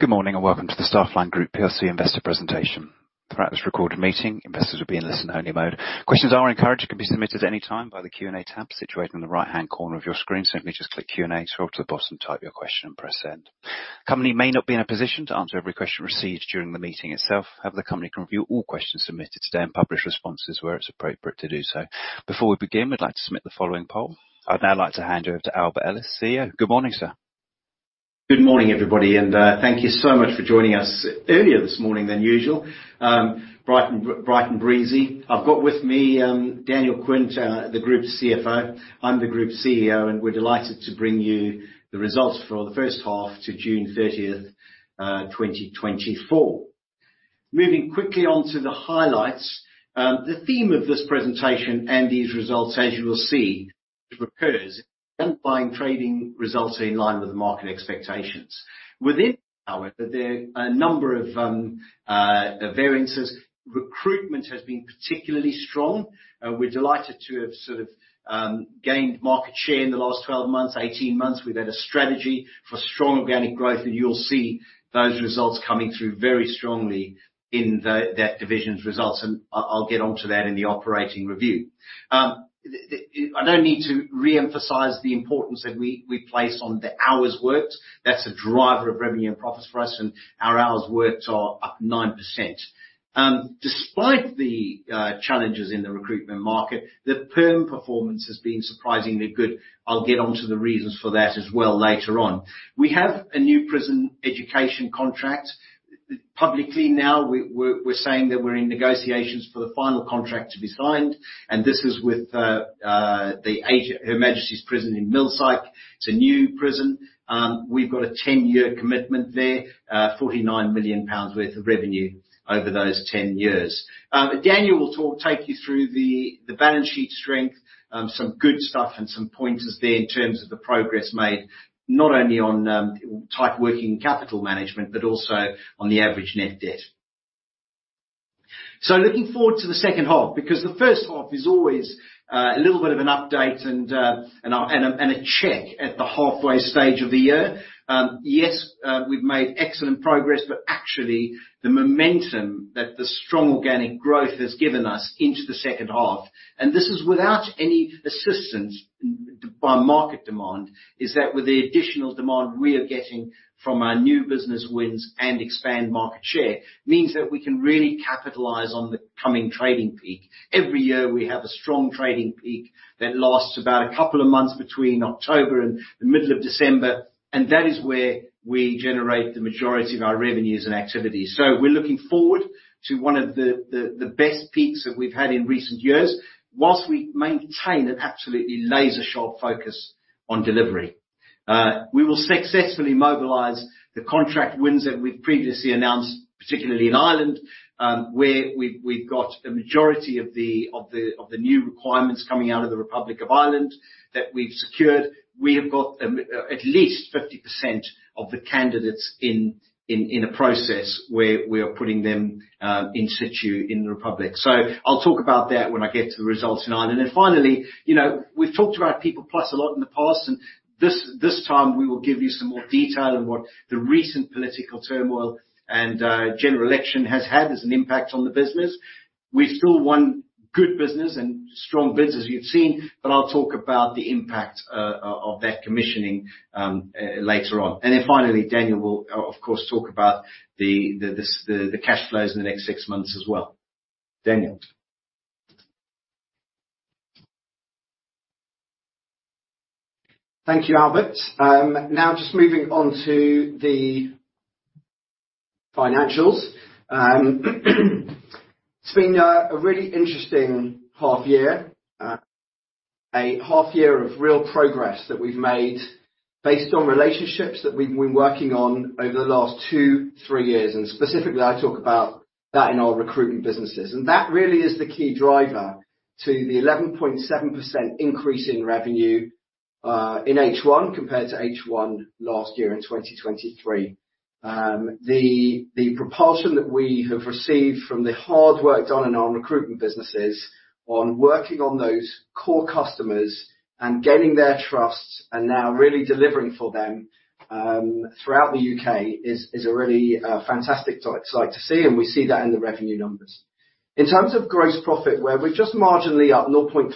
Good morning, and welcome to the Staffline Group PLC Investor Presentation. Throughout this recorded meeting, investors will be in listen-only mode. Questions are encouraged and can be submitted at any time by the Q&A tab situated in the right-hand corner of your screen. Simply just click Q&A, scroll to the bottom, type your question, and press Send. The company may not be in a position to answer every question received during the meeting itself, however, the company can review all questions submitted today and publish responses where it's appropriate to do so. Before we begin, we'd like to submit the following poll. I'd now like to hand you over to Albert Ellis, CEO. Good morning, sir. Good morning, everybody, and thank you so much for joining us earlier this morning than usual. Bright and breezy. I've got with me Daniel Quint, the group's CFO. I'm the group's CEO, and we're delighted to bring you the results for the H1 to June 30th 2024. Moving quickly on to the highlights, the theme of this presentation and these results, as you will see, which recurs, underlying trading results are in line with the market expectations. Within, however, there are a number of variances. Recruitment has been particularly strong, we're delighted to have sort of gained market share in the last 12 months, 18 months. We've had a strategy for strong organic growth, and you'll see those results coming through very strongly in that division's results, and I'll get onto that in the operating review. I don't need to reemphasize the importance that we place on the hours worked. That's a driver of revenue and profits for us, and our hours worked are up 9%. Despite the challenges in the recruitment market, the perm performance has been surprisingly good. I'll get onto the reasons for that as well later on. We have a new prison education contract. Publicly, now, we're saying that we're in negotiations for the final contract to be signed, and this is with Her Majesty's Prison Millsike. It's a new prison. We've got a 10-year commitment there, 49 million pounds worth of revenue over those 10 years. Daniel will take you through the balance sheet strength, some good stuff and some pointers there in terms of the progress made, not only on tight working capital management, but also on the average net debt. So looking forward to the H2, because the H1 is always a little bit of an update and a check at the halfway stage of the year. Yes, we've made excellent progress, but actually, the momentum that the strong organic growth has given us into the H2, and this is without any assistance by market demand, is that with the additional demand we are getting from our new business wins and expanded market share, means that we can really capitalize on the coming trading peak. Every year, we have a strong trading peak that lasts about a couple of months between October and the middle of December, and that is where we generate the majority of our revenues and activities. So we're looking forward to one of the best peaks that we've had in recent years, while we maintain an absolutely laser-sharp focus on delivery. We will successfully mobilize the contract wins that we've previously announced, particularly in Ireland, where we've got a majority of the new requirements coming out of the Republic of Ireland that we've secured. We have got at least 50% of the candidates in a process where we are putting them in situ in the Republic. So I'll talk about that when I get to the results in Ireland. And then finally, you know, we've talked about PeoplePlus a lot in the past, and this time, we will give you some more detail on what the recent political turmoil and general election has had as an impact on the business. We've still won good business and strong bids, as you've seen, but I'll talk about the impact of that commissioning later on. And then finally, Daniel will, of course, talk about the cash flows in the next six months as well. Daniel? Thank you, Albert. Now just moving on to the financials. It's been a really interesting half year, a half year of real progress that we've made based on relationships that we've been working on over the last 2-3 years, and specifically, I talk about that in our recruitment businesses. And that really is the key driver to the 11.7% increase in revenue in H1 compared to H1 last year in 2023. The propulsion that we have received from the hard work done in our recruitment businesses on working on those core customers and gaining their trust, and now really delivering for them throughout the U.K., is a really fantastic sight to see, and we see that in the revenue numbers. In terms of gross profit, where we're just marginally up 0.3%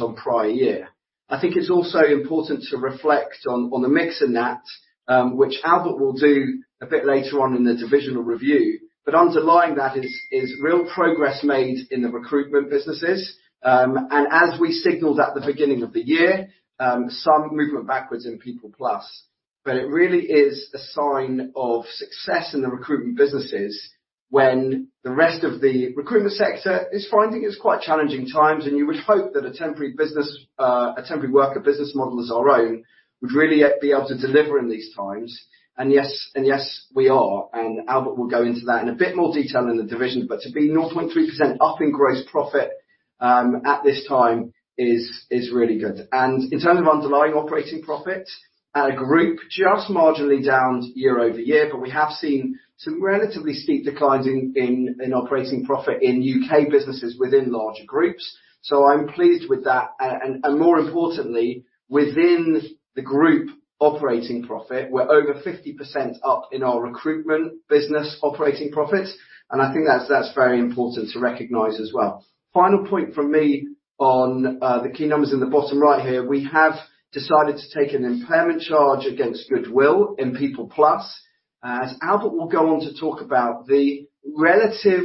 on prior year, I think it's also important to reflect on the mix in that, which Albert will do a bit later on in the divisional review. But underlying that is real progress made in the recruitment businesses, and as we signaled at the beginning of the year, some movement backwards in PeoplePlus. But it really is a sign of success in the recruitment businesses when the rest of the recruitment sector is finding it's quite challenging times, and you would hope that a temporary business, a temporary worker business model as our own, would really be able to deliver in these times. And yes, and yes, we are, and Albert will go into that in a bit more detail in the division, but to be 0.3% up in gross profit at this time is really good. And in terms of underlying operating profit at a group, just marginally down year-over-year, but we have seen some relatively steep declines in operating profit in UK businesses within larger groups. So I'm pleased with that. And more importantly, within the group operating profit, we're over 50% up in our recruitment business operating profit, and I think that's very important to recognize as well. Final point from me on the key numbers in the bottom right here, we have decided to take an impairment charge against goodwill in PeoplePlus, as Albert will go on to talk about, the relative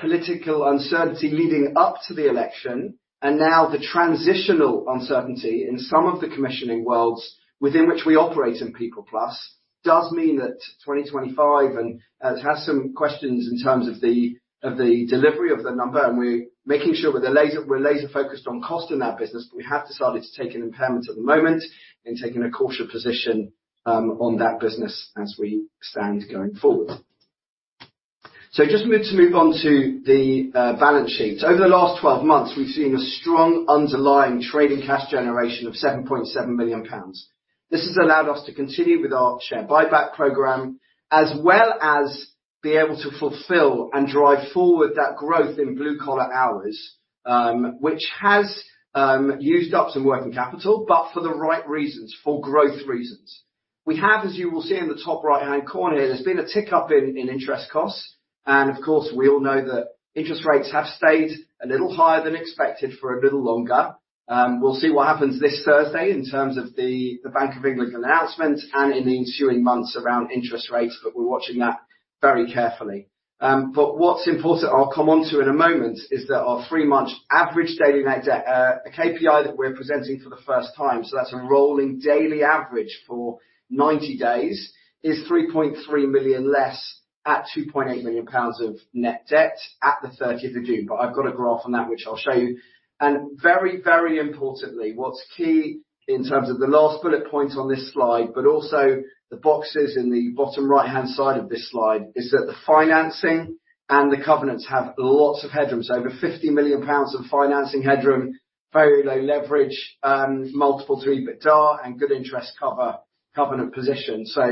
political uncertainty leading up to the election, and now the transitional uncertainty in some of the commissioning worlds within which we operate in PeoplePlus does mean that 2025, and it has some questions in terms of the delivery of the number, and we're making sure we're laser-focused on cost in that business, but we have decided to take an impairment at the moment and taking a cautious position on that business as we stand going forward. So just to move on to the balance sheet. Over the last 12 months, we've seen a strong underlying trading cash generation of 7.7 million pounds. This has allowed us to continue with our share buyback program, as well as be able to fulfill and drive forward that growth in blue-collar hours, which has used up some working capital, but for the right reasons, for growth reasons. We have, as you will see in the top right-hand corner, there's been a tick-up in interest costs, and of course, we all know that interest rates have stayed a little higher than expected for a little longer. We'll see what happens this Thursday in terms of the Bank of England announcement and in the ensuing months around interest rates, but we're watching that very carefully. What's important, I'll come onto in a moment, is that our 3-month average daily net debt, a KPI that we're presenting for the first time, so that's a rolling daily average for 90 days, is 3.3 million less at 2.8 million pounds of net debt at the 13th of June. I've got a graph on that, which I'll show you. Very, very importantly, what's key in terms of the last bullet point on this slide, but also the boxes in the bottom right-hand side of this slide, is that the financing and the covenants have lots of headroom, so over 50 million pounds of financing headroom, very low leverage, 3x EBITDA and good interest cover, covenant position. So,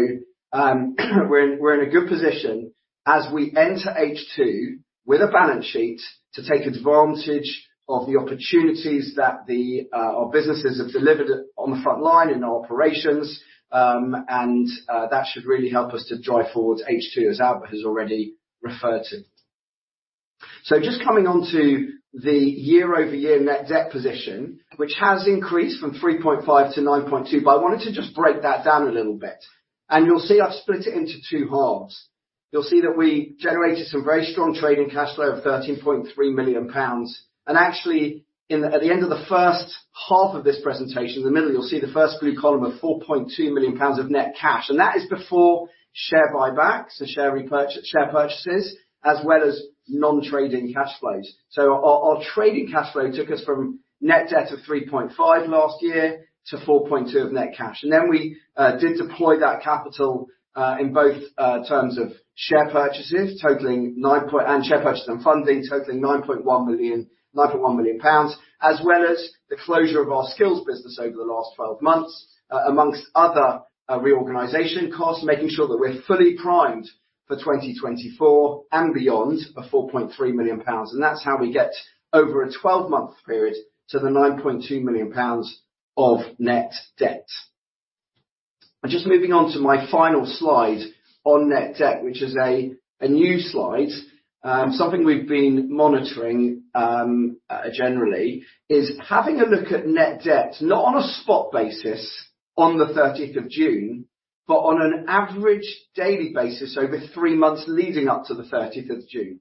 we're in a good position as we enter H2 with a balance sheet to take advantage of the opportunities that our businesses have delivered on the front line in our operations. That should really help us to drive forward H2, as Albert has already referred to. So just coming on to the year-over-year net debt position, which has increased from 3.5 to 9.2, but I wanted to just break that down a little bit. You'll see I've split it into two halves. You'll see that we generated some very strong trading cash flow of 13.3 million pounds. And actually, at the end of the H1 of this presentation, in the middle, you'll see the first blue column of 4.2 million pounds of net cash, and that is before share buybacks, so share repurchase share purchases, as well as non-trading cash flows. So our, our trading cash flow took us from net debt of 3.5 million last year to 4.2 million of net cash. And then we did deploy that capital in both terms of share purchases, totaling 9.1 and share purchases and funding, totaling 9.1 million, as well as the closure of our skills business over the last 12 months, among other reorganization costs, making sure that we're fully primed for 2024 and beyond, of 4.3 million pounds. That's how we get over a 12-month period to the 9.2 million pounds of net debt. Just moving on to my final slide on net debt, which is a new slide. Something we've been monitoring, generally, is having a look at net debt, not on a spot basis on the 13th of June, but on an average daily basis over three months leading up to the 13th of June.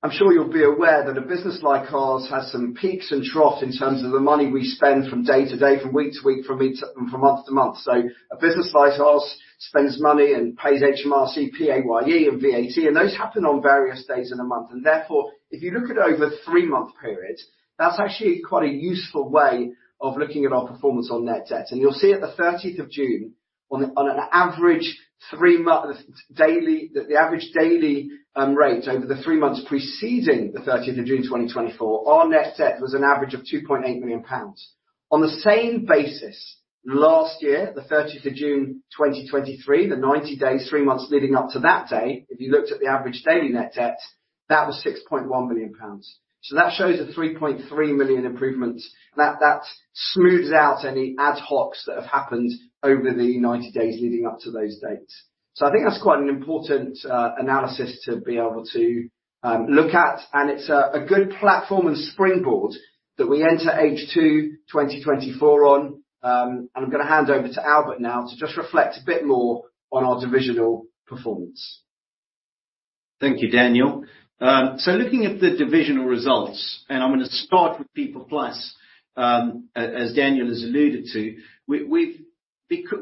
I'm sure you'll be aware that a business like ours has some peaks and troughs in terms of the money we spend from day-to-day, from week-to-week, from month-to-month. A business like ours spends money and pays HMRC, PAYE, and VAT, and those happen on various days in a month. Therefore, if you look at over a 3-month period, that's actually quite a useful way of looking at our performance on net debt. You'll see at the 13th of June, on an average three-month daily rate over the three months preceding the 13th of June 2024, our net debt was an average of 2.8 million pounds. On the same basis, last year, the 13th of June 2023, the 90 days, three months leading up to that day, if you looked at the average daily net debt, that was 6.1 million pounds. That shows a 3.3 million improvement. That smooths out any ad hocs that have happened over the 90 days leading up to those dates. I think that's quite an important analysis to be able to look at, and it's a good platform and springboard that we enter H2 2024 on. I'm going to hand over to Albert now to just reflect a bit more on our divisional performance. Thank you, Daniel. So looking at the divisional results, and I'm going to start with PeoplePlus, as Daniel has alluded to,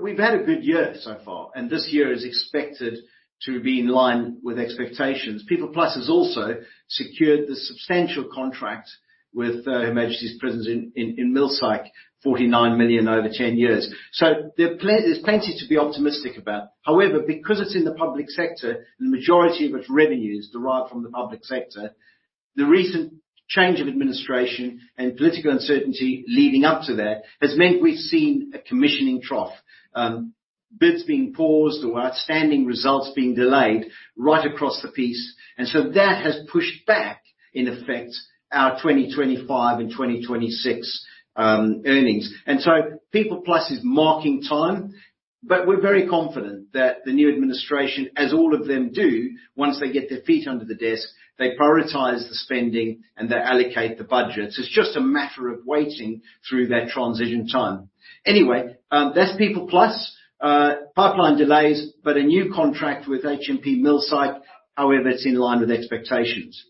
we've had a good year so far, and this year is expected to be in line with expectations. PeoplePlus has also secured the substantial contract with His Majesty's Prison Millsike, 49 million over 10 years. So there's plenty to be optimistic about. However, because it's in the public sector, the majority of its revenues derive from the public sector. The recent change of administration and political uncertainty leading up to that has meant we've seen a commissioning trough. Bids being paused or outstanding results being delayed right across the piece, and so that has pushed back, in effect, our 2025 and 2026 earnings. PeoplePlus is marking time, but we're very confident that the new administration, as all of them do, once they get their feet under the desk, they prioritize the spending, and they allocate the budgets. It's just a matter of waiting through that transition time. Anyway, that's PeoplePlus, pipeline delays, but a new contract with HMP Millsike, however, it's in line with expectations.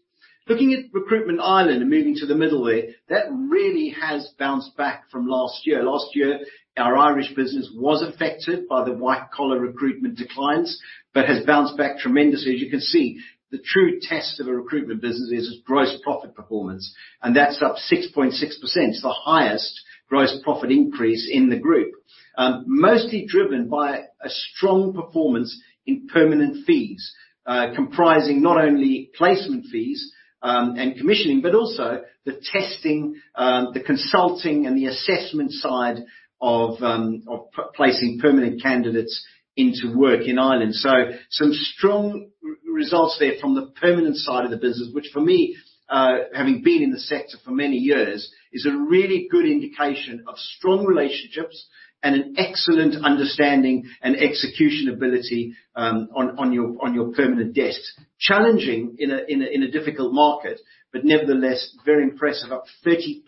Looking at Recruitment Ireland, and moving to the middle there, that really has bounced back from last year. Last year, our Irish business was affected by the white-collar recruitment declines, but has bounced back tremendously. As you can see, the true test of a recruitment business is its gross profit performance, and that's up 6.6%, the highest gross profit increase in the group. Mostly driven by a strong performance in permanent fees, comprising not only placement fees and commissioning, but also the testing, the consulting, and the assessment side of placing permanent candidates into work in Ireland. So some strong results there from the permanent side of the business, which for me, having been in the sector for many years, is a really good indication of strong relationships and an excellent understanding and execution ability on your permanent desks. Challenging in a difficult market, but nevertheless, very impressive, up 30%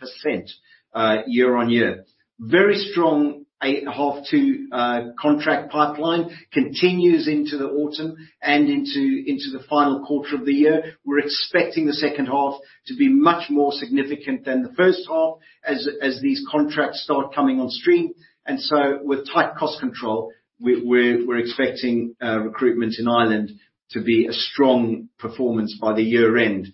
year-on-year. Very strong 8.5 to contract pipeline continues into the autumn and into the final quarter of the year. We're expecting the H2 to be much more significant than the H1 as these contracts start coming on stream. And so, with tight cost control, we're expecting recruitment in Ireland to be a strong performance by the year end,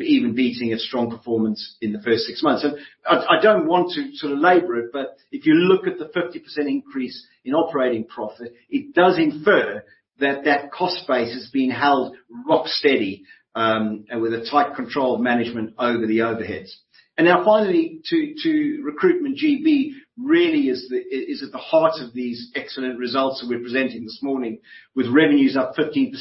even beating a strong performance in the first six months. So I don't want to labor it, but if you look at the 50% increase in operating profit, it does infer that that cost base has been held rock steady, and with a tight control of management over the overheads. And now, finally, to Recruitment GB, really is at the heart of these excellent results that we're presenting this morning, with revenues up 15%,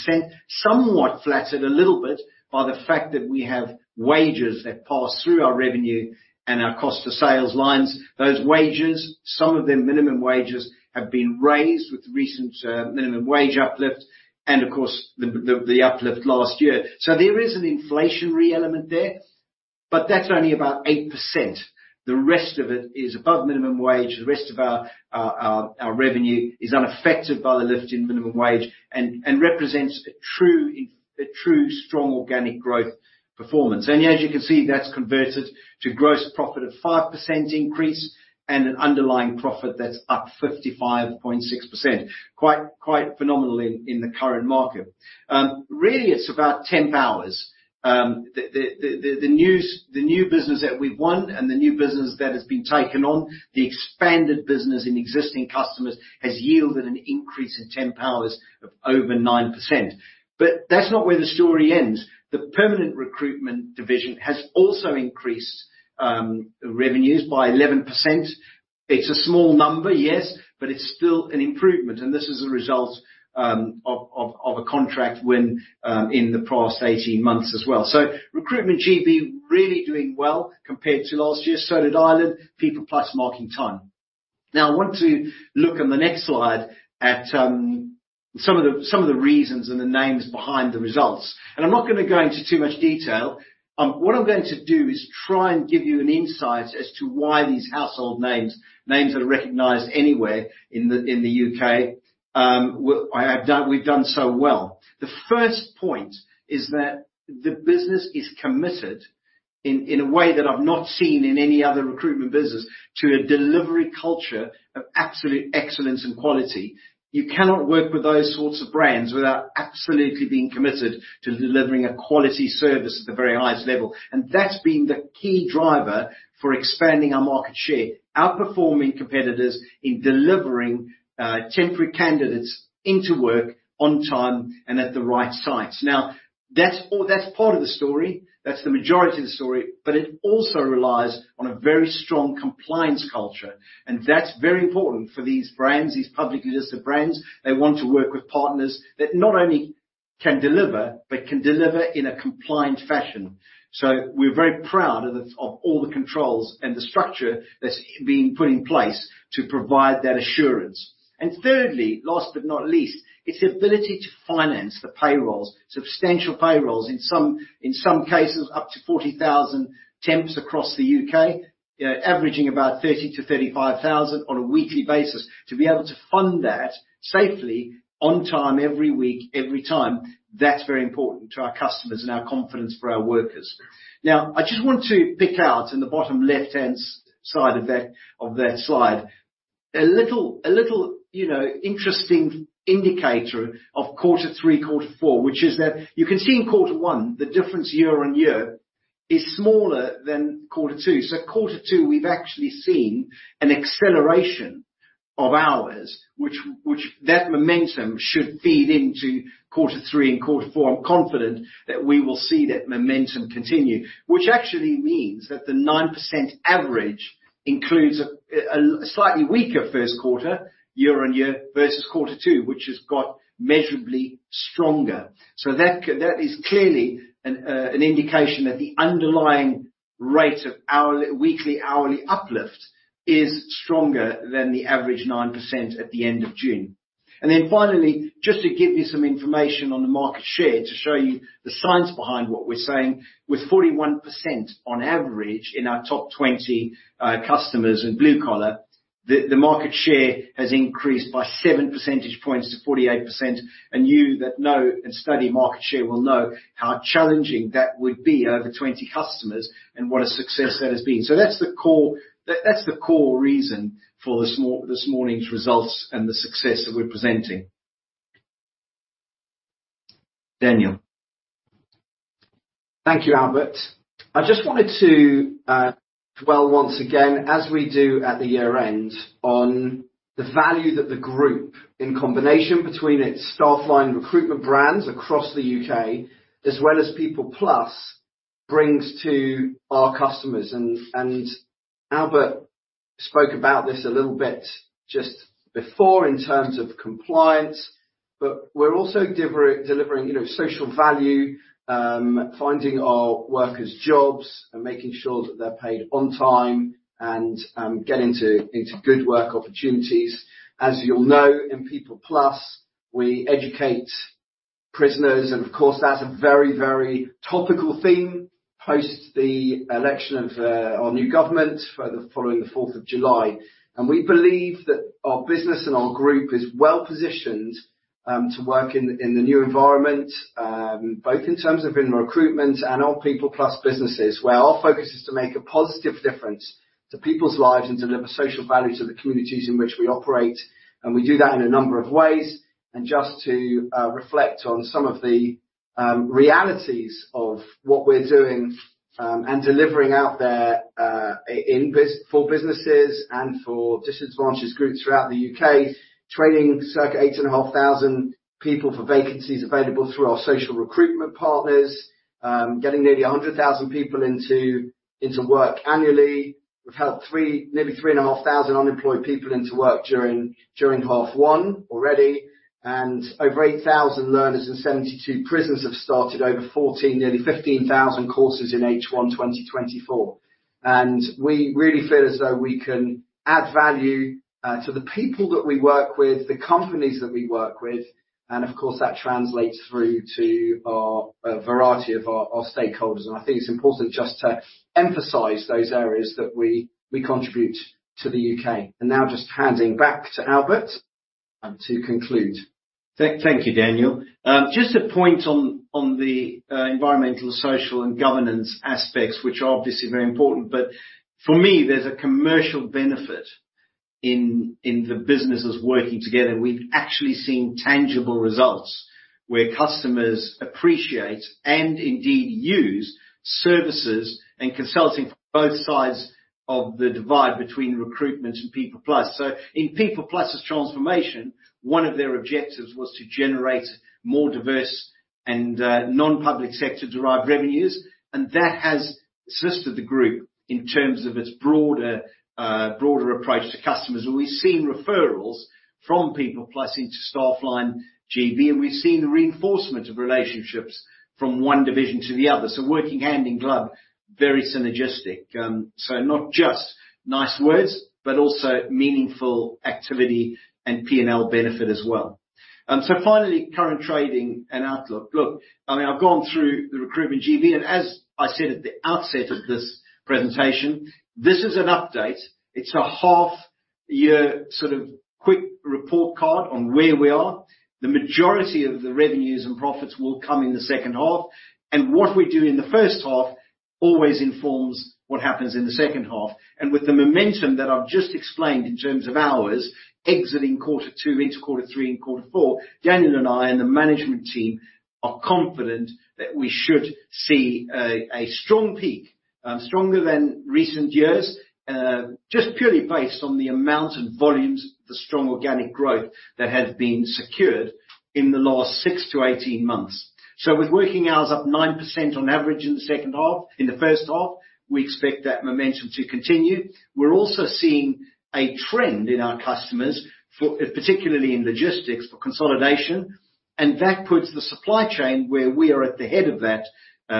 somewhat flattered a little bit by the fact that we have wages that pass through our revenue and our cost for sales lines. Those wages, some of them minimum wages, have been raised with the recent minimum wage uplift and, of course, the uplift last year. So there is an inflationary element there, but that's only about 8%. The rest of it is above minimum wage. The rest of our revenue is unaffected by the lift in minimum wage and represents a true strong organic growth performance. As you can see, that's converted to gross profit of 5% increase and an underlying profit that's up 55.6%. Quite phenomenal in the current market. Really, it's about temp hours. The new business that we've won and the new business that has been taken on, the expanded business in existing customers, has yielded an increase in temp hours of over 9%. But that's not where the story ends. The permanent recruitment division has also increased revenues by 11%. It's a small number, yes, but it's still an improvement, and this is a result of a contract win in the past 18 months as well. Recruitment GB, really doing well compared to last year. So did Ireland, PeoplePlus marking time. Now, I want to look on the next slide at some of the reasons and the names behind the results. And I'm not gonna go into too much detail. What I'm going to do is try and give you an insight as to why these household names, names that are recognized anywhere in the U.K., we've done so well. The first point is that the business is committed, in a way that I've not seen in any other recruitment business, to a delivery culture of absolute excellence and quality. You cannot work with those sorts of brands without absolutely being committed to delivering a quality service at the very highest level. That's been the key driver for expanding our market share, outperforming competitors in delivering temporary candidates into work on time and at the right sites. Now, that's all, that's part of the story, that's the majority of the story, but it also relies on a very strong compliance culture, and that's very important for these brands, these publicly listed brands. They want to work with partners that not only can deliver, but can deliver in a compliant fashion. So we're very proud of all the controls and the structure that's been put in place to provide that assurance. And thirdly, last but not least, it's the ability to finance the payrolls, substantial payrolls in some cases, up to 40,000 temps across the U.K. You know, averaging about 30-35,000 on a weekly basis. To be able to fund that safely on time, every week, every time, that's very important to our customers and our confidence for our workers. Now, I just want to pick out in the bottom left-hand side of that slide. A little, you know, interesting indicator of Q3, Q4, which is that you can see in Q1, the difference year-on-year is smaller than Q2. So Q2, we've actually seen an acceleration of hours, which that momentum should feed into Q3 and Q4. I'm confident that we will see that momentum continue, which actually means that the 9% average includes a slightly weaker Q1, year-on-year versus Q2, which has got measurably stronger. So that is clearly an indication that the underlying rate of hourly, weekly, hourly uplift is stronger than the average 9% at the end of June. And then finally, just to give you some information on the market share, to show you the science behind what we're saying, with 41% on average in our top 20 customers in blue collar, the market share has increased by seven percentage points to 48%, and you that know and study market share will know how challenging that would be over 20 customers and what a success that has been. So that's the core, that's the core reason for this morning's results and the success that we're presenting. Daniel? Thank you, Albert. I just wanted to dwell once again, as we do at the year-end, on the value that the group, in combination between its Staffline Recruitment brands across the U.K., as well as PeoplePlus, brings to our customers, and Albert spoke about this a little bit just before in terms of compliance, but we're also delivering, you know, social value, finding our workers jobs and making sure that they're paid on time and getting into good work opportunities. As you'll know, in PeoplePlus, we educate prisoners, and of course, that's a very, very topical theme, post the election of our new government for the following the 4th of July. We believe that our business and our group is well-positioned to work in the new environment, both in terms of recruitment and our PeoplePlus businesses, where our focus is to make a positive difference to people's lives and deliver social value to the communities in which we operate, and we do that in a number of ways. Just to reflect on some of the realities of what we're doing and delivering out there in business for businesses and for disadvantaged groups throughout the UK, training circa 8,500 people for vacancies available through our social recruitment partners, getting nearly 100,000 people into work annually. We've helped nearly 3,500 unemployed people into work during H1 already, and over 8,000 learners in 72 prisons have started over 14, nearly 15,000 courses in H1 2024. We really feel as though we can add value to the people that we work with, the companies that we work with, and of course, that translates through to our stakeholders. I think it's important just to emphasize those areas that we contribute to the UK. Now just handing back to Albert to conclude. Thank you, Daniel. Just a point on the environmental, social, and governance aspects, which are obviously very important, but for me, there's a commercial benefit in the businesses working together. We've actually seen tangible results, where customers appreciate, and indeed use, services and consulting from both sides of the divide between recruitment and PeoplePlus. So in PeoplePlus's transformation, one of their objectives was to generate more diverse and non-public sector derived revenues, and that has assisted the group in terms of its broader approach to customers. And we've seen referrals from PeoplePlus into Staffline GB, and we've seen the reinforcement of relationships from one division to the other. So working hand in glove, very synergistic. So not just nice words, but also meaningful activity and P&L benefit as well. So finally, current trading and outlook. Look, I mean, I've gone through the Recruitment GB, and as I said at the outset of this presentation, this is an update. It's a half year, sort of, quick report card on where we are. The majority of the revenues and profits will come in the H2, and what we do in the H1 always informs what happens in the H2. And with the momentum that I've just explained in terms of hours, exiting Q2 into Q3 and Q4, Daniel and I, and the management team, are confident that we should see a strong peak, stronger than recent years, just purely based on the amount and volumes, the strong organic growth that has been secured in the last 6-18 months. So with working hours up 9% on average in the H2, in the H1, we expect that momentum to continue. We're also seeing a trend in our customers for, particularly in logistics, for consolidation, and that puts the supply chain where we are at the head of that,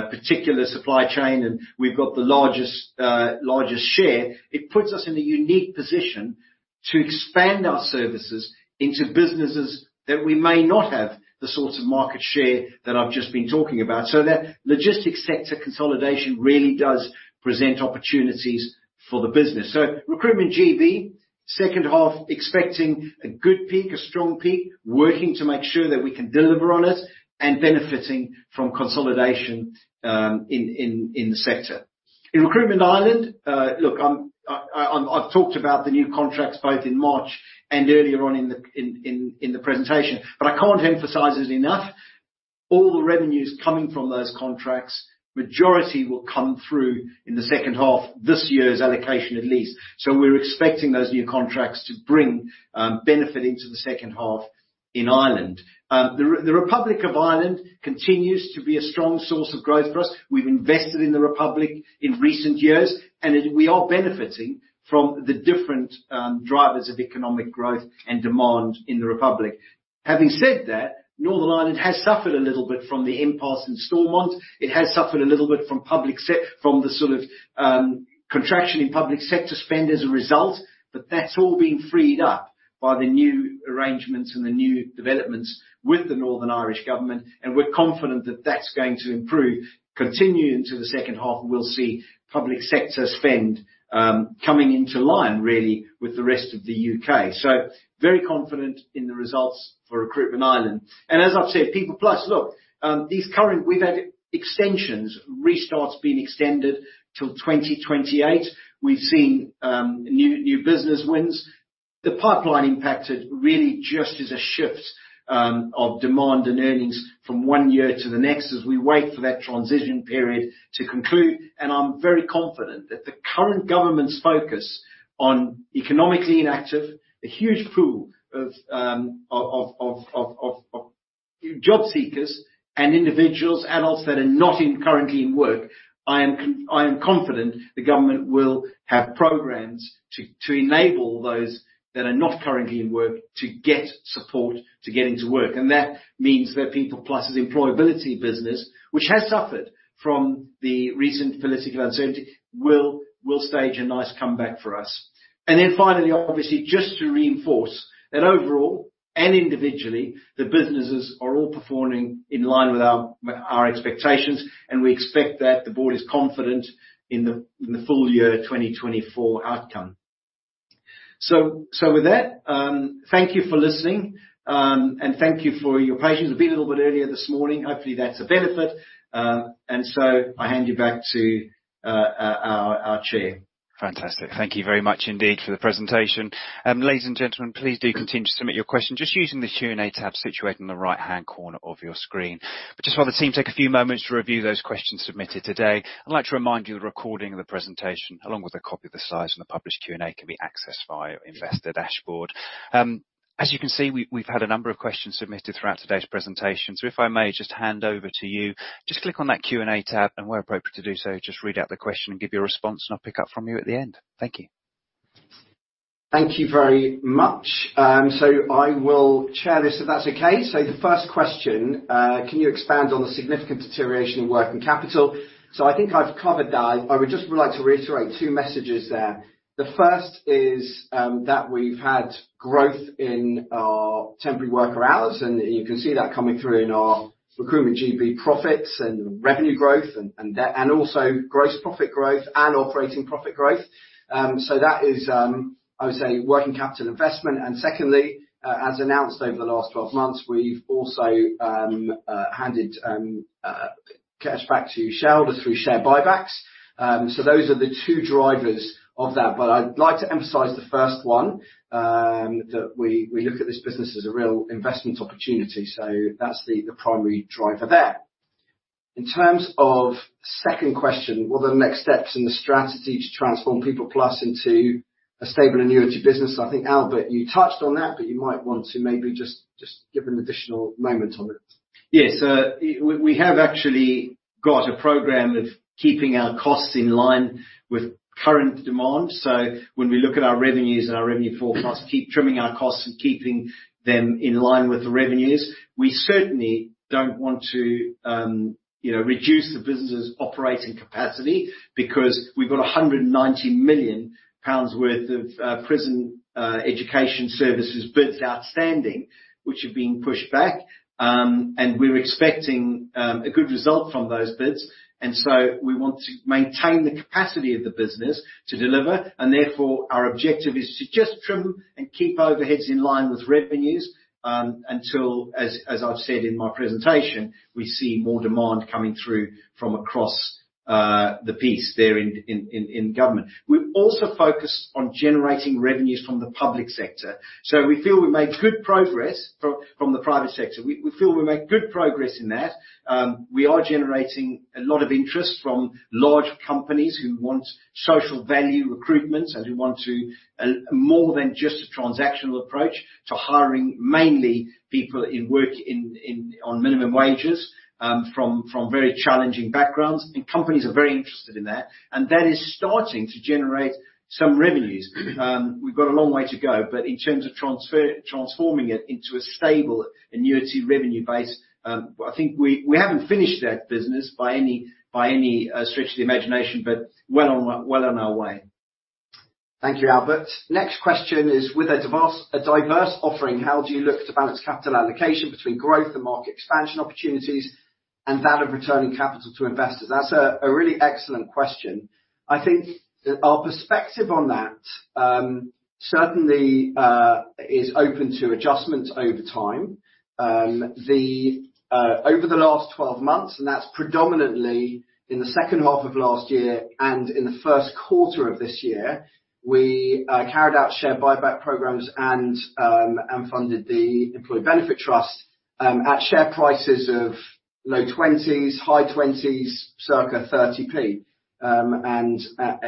particular supply chain, and we've got the largest share. It puts us in a unique position to expand our services into businesses that we may not have the sorts of market share that I've just been talking about. So that logistics sector consolidation really does present opportunities for the business. So Recruitment GB, H2, expecting a good peak, a strong peak, working to make sure that we can deliver on it, and benefiting from consolidation, in the sector. In Recruitment Ireland, look, I've talked about the new contracts both in March and earlier on in the presentation, but I can't emphasize this enough, all the revenues coming from those contracts, majority will come through in the H2, this year's allocation at least. So we're expecting those new contracts to bring benefit into the H2 in Ireland. The Republic of Ireland continues to be a strong source of growth for us. We've invested in the Republic in recent years, and it we are benefiting from the different drivers of economic growth and demand in the Republic. Having said that, Northern Ireland has suffered a little bit from the impasse in Stormont. It has suffered a little bit from the sort of contraction in public sector spend as a result, but that's all been freed up by the new arrangements and the new developments with the Northern Irish government, and we're confident that that's going to improve, continue into the H2, and we'll see public sector spend coming into line, really, with the rest of the U.K. So very confident in the results for Recruitment Ireland. As I've said, PeoplePlus, look, we've had extensions, Restarts being extended till 2028. We've seen new business wins. The pipeline impact is really just as a shift of demand and earnings from one year to the next, as we wait for that transition period to conclude, and I'm very confident that the current government's focus on economically inactive, a huge pool of job seekers and individuals, adults that are not currently in work. I am confident the government will have programs to enable those that are not currently in work to get support to get into work. And that means that PeoplePlus's employability business, which has suffered from the recent political uncertainty, will stage a nice comeback for us. And then finally, obviously, just to reinforce that overall and individually, the businesses are all performing in line with our expectations, and we expect that the board is confident in the full year 2024 outcome. So with that, thank you for listening, and thank you for your patience. It's a bit little bit earlier this morning. Hopefully, that's a benefit. And so I hand you back to our chair. Fantastic. Thank you very much indeed for the presentation. Ladies and gentlemen, please do continue to submit your questions just using the Q&A tab situated in the right-hand corner of your screen. But just while the team take a few moments to review those questions submitted today, I'd like to remind you, the recording of the presentation, along with a copy of the slides and the published Q&A, can be accessed via your investor dashboard. As you can see, we, we've had a number of questions submitted throughout today's presentation. So if I may just hand over to you, just click on that Q&A tab, and where appropriate to do so, just read out the question and give your response, and I'll pick up from you at the end. Thank you. Thank you very much. So I will chair this, if that's okay. So the first question: Can you expand on the significant deterioration in working capital? So I think I've covered that. I would just like to reiterate two messages there. The first is, that we've had growth in our temporary worker hours, and you can see that coming through in our Recruitment GB profits and revenue growth and also gross profit growth and operating profit growth. So that is, I would say, working capital investment. And secondly, as announced over the last 12 months, we've also handed cash back to shareholders through share buybacks. So those are the two drivers of that. But I'd like to emphasize the first one, that we, we look at this business as a real investment opportunity, so that's the, the primary driver there. In terms of second question, what are the next steps in the strategy to transform PeoplePlus into a stable annuity business? I think, Albert, you touched on that, but you might want to maybe just give an additional moment on it. Yes, we, we have actually got a program of keeping our costs in line with current demand. So when we look at our revenues and our revenue forecast, keep trimming our costs and keeping them in line with the revenues. We certainly don't want to, you know, reduce the business's operating capacity, because we've got 190 million pounds worth of prison education services bids outstanding, which have been pushed back, and we're expecting a good result from those bids. And so we want to maintain the capacity of the business to deliver, and therefore, our objective is to just trim and keep overheads in line with revenues, until, as I've said in my presentation, we see more demand coming through from across the piece there in government. We're also focused on generating revenues from the public sector, so we feel we've made good progress from the private sector. We feel we've made good progress in that. We are generating a lot of interest from large companies who want social value recruitment and who want to more than just a transactional approach to hiring mainly people in work in on minimum wages from very challenging backgrounds. Companies are very interested in that, and that is starting to generate some revenues. We've got a long way to go, but in terms of transforming it into a stable annuity revenue base, I think we haven't finished that business by any stretch of the imagination, but well on our way. Thank you, Albert. Next question is: With a diverse offering, how do you look to balance capital allocation between growth and market expansion opportunities? ... and that of returning capital to investors? That's a really excellent question. I think our perspective on that certainly is open to adjustments over time. Over the last 12 months, and that's predominantly in the H2 of last year, and in the Q1 of this year, we carried out share buyback programs and funded the employee benefit trust at share prices of low 20s, high 20s, circa 30p. And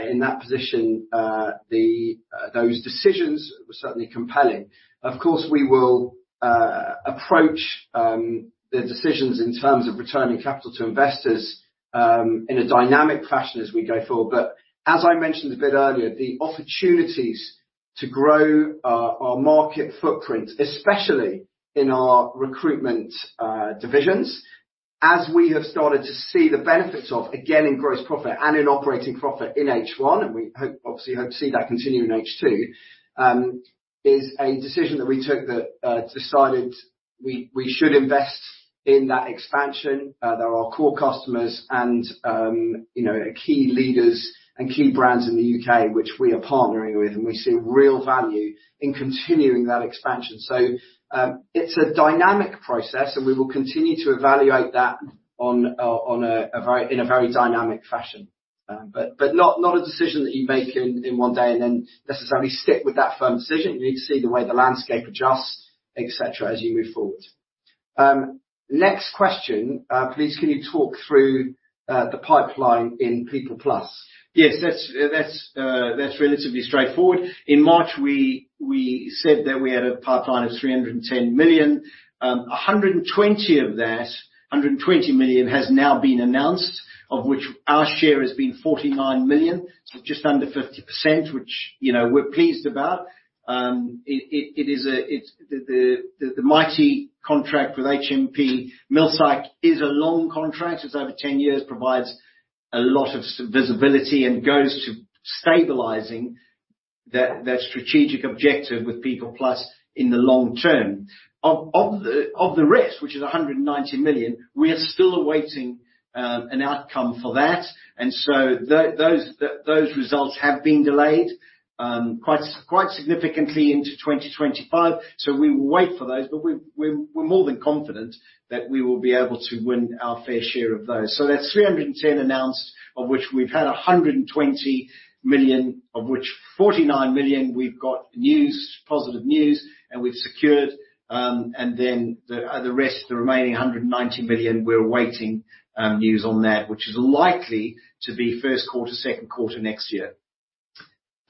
in that position, those decisions were certainly compelling. Of course, we will approach the decisions in terms of returning capital to investors in a dynamic fashion as we go forward. But as I mentioned a bit earlier, the opportunities to grow our market footprint, especially in our recruitment divisions, as we have started to see the benefits of, again, in gross profit and in operating profit in H1, and we hope, obviously, hope to see that continue in H2, is a decision that we took that decided we should invest in that expansion. They are our core customers and, you know, key leaders and key brands in the UK, which we are partnering with, and we see real value in continuing that expansion. So, it's a dynamic process, and we will continue to evaluate that in a very dynamic fashion. But not a decision that you make in one day and then necessarily stick with that firm decision. You need to see the way the landscape adjusts, et cetera, as you move forward. Next question: "Please, can you talk through the pipeline in PeoplePlus? Yes, that's relatively straightforward. In March, we said that we had a pipeline of 310 million. A hundred and twenty of that, 120 million, has now been announced, of which our share has been 49 million, so just under 50%, which, you know, we're pleased about. It is a-- it's the mighty contract with HMP Millsike is a long contract. It's over 10 years, provides a lot of visibility, and goes to stabilizing that strategic objective with PeoplePlus in the long term. Of the rest, which is 190 million, we are still awaiting an outcome for that. So those results have been delayed quite significantly into 2025. So we will wait for those, but we're more than confident that we will be able to win our fair share of those. So that's 310 announced, of which we've had 120 million, of which 49 million, we've got news, positive news, and we've secured. And then the rest, the remaining 190 million, we're awaiting news on that, which is likely to be Q1, Q2 next year.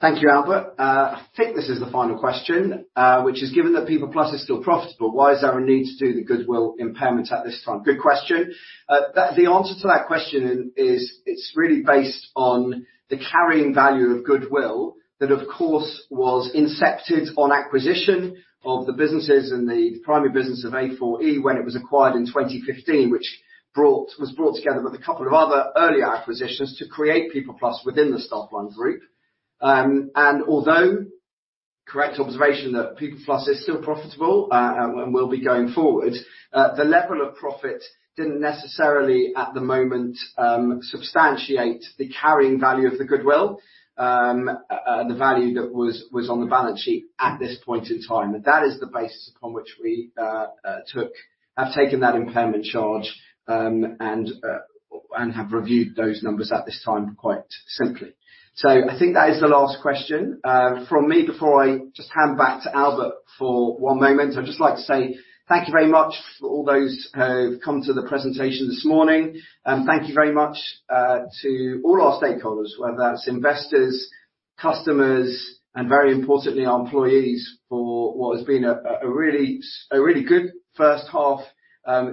Thank you, Albert. I think this is the final question, which is: "Given that PeoplePlus is still profitable, why is there a need to do the goodwill impairment at this time?" Good question. The answer to that question is, it's really based on the carrying value of goodwill that, of course, was incepted on acquisition of the businesses and the primary business of A4e when it was acquired in 2015, which was brought together with a couple of other earlier acquisitions to create PeoplePlus within the Staffline Group. And although, correct observation, that PeoplePlus is still profitable, and will be going forward, the level of profit didn't necessarily, at the moment, substantiate the carrying value of the goodwill, and the value that was on the balance sheet at this point in time. That is the basis upon which we have taken that impairment charge, and have reviewed those numbers at this time, quite simply. So I think that is the last question from me. Before I just hand back to Albert for one moment, I'd just like to say thank you very much for all those who've come to the presentation this morning. Thank you very much to all our stakeholders, whether that's investors, customers, and very importantly, our employees, for what has been a really good H1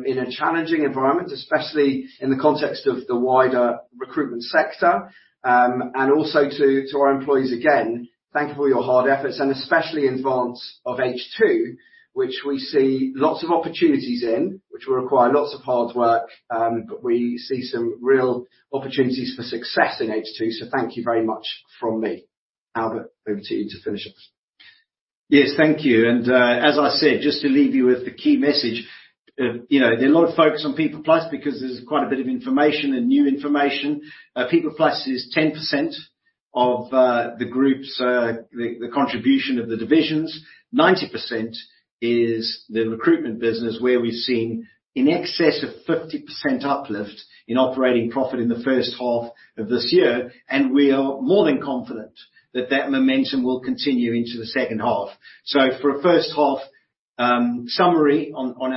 in a challenging environment, especially in the context of the wider recruitment sector. And also to our employees, again, thank you for all your hard efforts, and especially in advance of H2, which we see lots of opportunities in, which will require lots of hard work. But we see some real opportunities for success in H2. So thank you very much from me. Albert, over to you to finish up. Yes, thank you. As I said, just to leave you with the key message, you know, there are a lot of focus on PeoplePlus because there's quite a bit of information and new information. PeoplePlus is 10% of the Group's the contribution of the divisions. 90% is the recruitment business, where we're seeing in excess of 50% uplift in operating profit in the H1 of this year, and we are more than confident that that momentum will continue into the H2. For a H1 summary on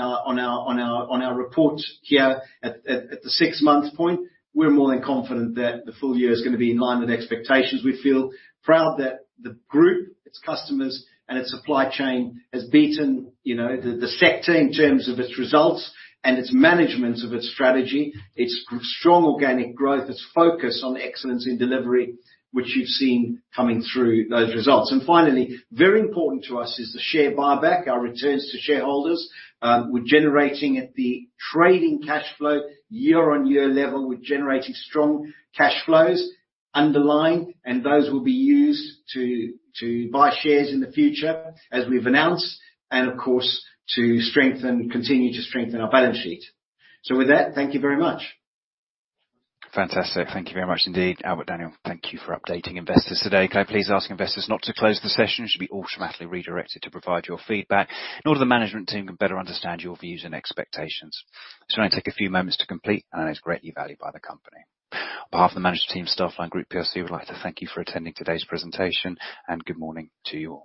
our report here at the six-month point, we're more than confident that the full year is going to be in line with expectations. We feel proud that the Group, its customers, and its supply chain has beaten, you know, the sector in terms of its results and its management of its strategy, its strong organic growth, its focus on excellence in delivery, which you've seen coming through those results. Finally, very important to us is the share buyback, our returns to shareholders. We're generating at the trading cashflow year-on-year level. We're generating strong cash flows underlying, and those will be used to buy shares in the future, as we've announced, and of course, to strengthen, continue to strengthen our balance sheet. With that, thank you very much. Fantastic. Thank you very much indeed, Albert, Daniel. Thank you for updating investors today. Can I please ask investors not to close the session? You should be automatically redirected to provide your feedback in order the management team can better understand your views and expectations. This will only take a few moments to complete, and it's greatly valued by the company. On behalf of the management team at Staffline Group PLC, we'd like to thank you for attending today's presentation, and good morning to you all.